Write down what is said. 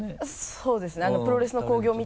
そうですね。